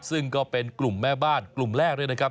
ซึ่งก็เป็นกลุ่มแม่บ้านกลุ่มแรกด้วยนะครับ